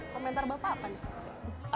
komentar bapak apa nih